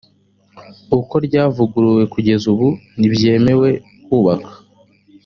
uko ryavuguruwe kugeza ubu ntibyemewe kubaka